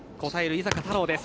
井坂太郎です。